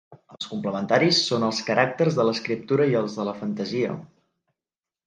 Els complementaris són els caràcters de l'escriptura i els de la fantasia.